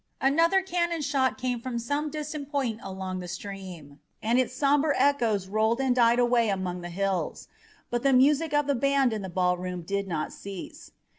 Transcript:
Another cannon shot came from some distant point along the stream, and its somber echoes rolled and died away among the hills, but the music of the band in the ballroom did not cease.